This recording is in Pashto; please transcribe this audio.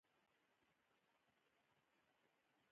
په افغانستان کې د خاورې په اړه پوره زده کړه کېږي.